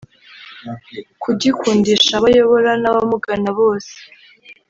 kugikundisha abo ayobora n’abamugana bose